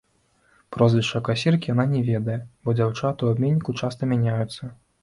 Прозвішча касіркі яна не ведае, бо дзяўчаты ў абменніку часта мяняюцца.